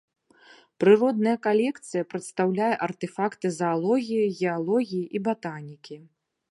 Прыродная калекцыя прадстаўляе артэфакты заалогіі, геалогіі і батанікі.